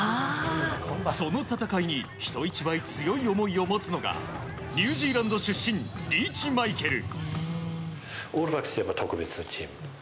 その戦いに人一倍強い思いを持つのがニュージーランド出身リーチマイケル。